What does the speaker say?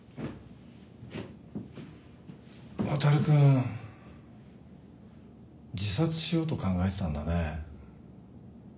航君自殺しようと考えてたんだね。